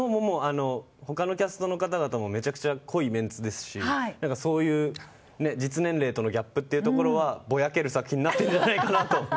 他のキャストの方々もめちゃくちゃ濃いメンツですしそういう実年齢とのギャップというところはぼやける作品になってるんじゃないかなと。